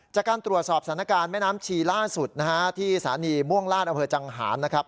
จากการตรวจสอบสถานการณ์แม่น้ำชีล่าสุดนะฮะที่สถานีม่วงลาดอำเภอจังหารนะครับ